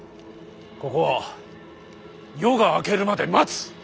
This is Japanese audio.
ここは夜が明けるまで待つ。